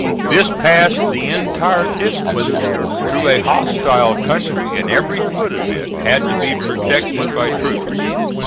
This passed the entire distance through a hostile country, and every foot of it had to be protected by troops.